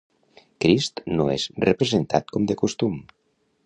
Crist no és representat com de costum.